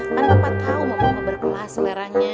mana papa tau mama berkelas seleranya